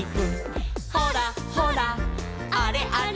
「ほらほらあれあれ」